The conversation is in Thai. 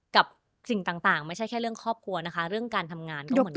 กับสิ่งต่างไม่ใช่แค่เรื่องครอบครัวนะคะเรื่องการทำงานก็เหมือนกัน